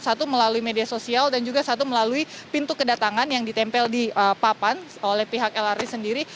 satu melalui media sosial dan juga satu melalui pintu kedatangan yang ditempel di papan oleh pihak lrt sendiri